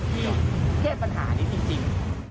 ที่เทพธนาภาษณ์นี้จริง